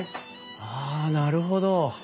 ああなるほど。